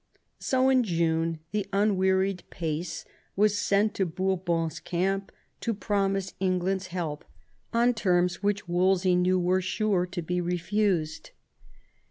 So in June the imwearied Pace was sent to Bourbon's camp to promise England's help on terms which Wolsey knew were sure to be refused.